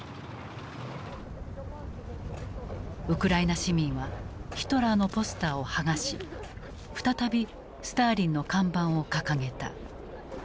ウクライナ市民はヒトラーのポスターを剥がし再びスターリンの看板を掲げた。